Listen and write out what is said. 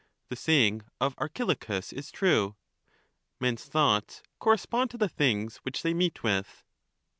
The saying of Archilochus is true :—' Men's thoughts correspond to the things which they meet with.'